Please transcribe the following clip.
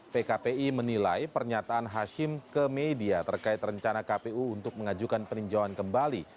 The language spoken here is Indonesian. pkpi menilai pernyataan hashim ke media terkait rencana kpu untuk mengajukan peninjauan kembali